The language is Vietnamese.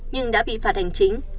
nhưng đã bị phạt hành chính